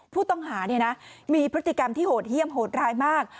ผู้ต้องหามีพฤติกรรมที่โหดเยี่ยมโหดร้ายมาก